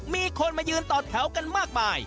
มีคนมายืนต่อแถวกันมากมาย